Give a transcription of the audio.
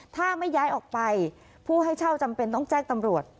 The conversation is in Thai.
ถ้าไม่ย้ายออกไปผู้ให้เช่าจำเป็นต้องแจ้งตำรวจ